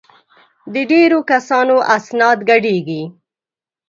د ډېرو کسانو اسناد ګډېږي.